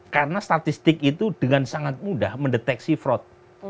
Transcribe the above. karena statistik itu dengan sangat mudah mendeteksi fraud